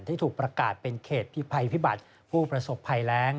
ที่ถูกประกาศเป็นเขตพิภัยพิบัติผู้ประสบภัยแรง